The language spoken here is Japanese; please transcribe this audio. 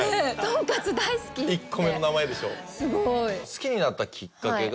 好きになったきっかけが。